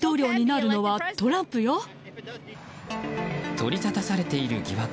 取りざたされている疑惑。